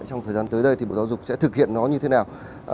trong thời gian tới đây thì bộ giáo dục sẽ thực hiện nó như thế nào